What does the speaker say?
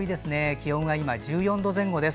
気温が１４度前後です。